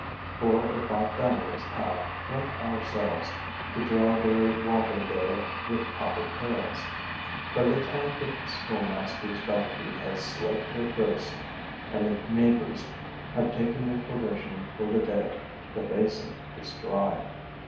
Four or five families have, like ourselves, to draw their water there with copper pails. By the time that the schoolmaster's donkey has slaked her thirst and the neighbors have taken their provision for the day, the basin is dry.